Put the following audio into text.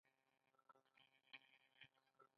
دوی پراید او سمند موټرې جوړوي.